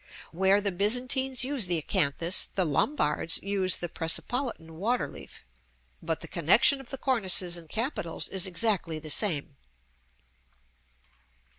Where the Byzantines use the acanthus, the Lombards use the Persepolitan water leaf; but the connection of the cornices and capitals is exactly the same.